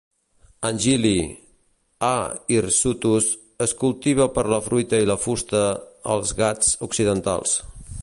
Anjily, "A. hirsutus", es cultiva per la fruita i la fusta als Ghats Occidentals.